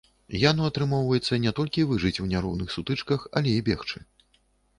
Яну атрымоўваецца не толькі выжыць у няроўных сутычках, але і бегчы.